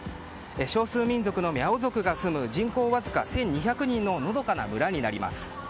少数民族のミャオ族が住む人口わずか１２００人ののどかな村になります。